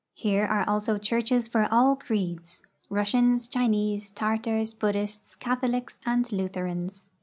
Here also are churches for all creeds — Rus sians, Chinese, Tartars, Buddhists, Catholics, and Lutherans.